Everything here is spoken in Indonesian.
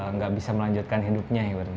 nggak bisa melanjutkan hidupnya